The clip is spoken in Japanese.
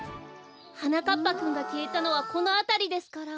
はなかっぱくんがきえたのはこのあたりですから。